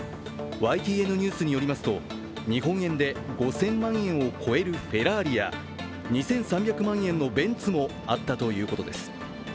ＹＴＮニュースによりますと、日本円で５０００万円を超えるフェラーリや２３００万円のベンツもあったということです。